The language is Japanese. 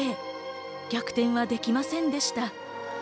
逆転はできませんでした。